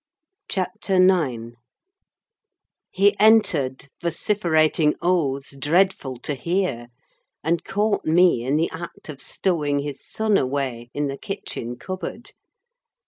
CHAPTER IX He entered, vociferating oaths dreadful to hear; and caught me in the act of stowing his son away in the kitchen cupboard.